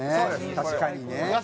確かにね。